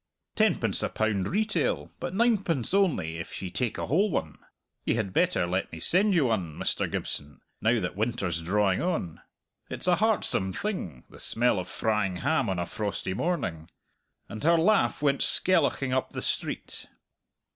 "Tenpence a pound retail, but ninepence only if ye take a whole one. Ye had better let me send you one, Mr. Gibson, now that winter's drawing on. It's a heartsome thing, the smell of frying ham on a frosty morning" and her laugh went skelloching up the street.